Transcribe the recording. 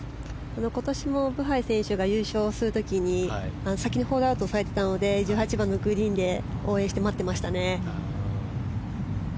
今年もブハイ選手が優勝する時に先にホールアウトされていたので１８番のグリーンで応援して待ってましたね。